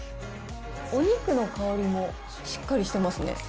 お肉の香りもしっかりしてますね。